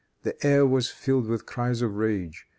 The air was filled with cries of rage.